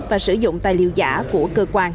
và sử dụng tài liệu giả của cơ quan